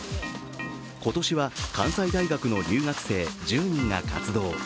今年は関西大学の留学生１０人が活動。